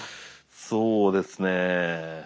そうですね。